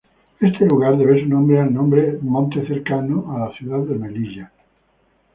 Este lugar debe su nombre al monte cercano a la ciudad de Melilla.